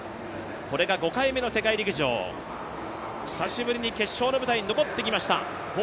これが５回目の世界陸上、久しぶりに決勝の舞台に残ってきました。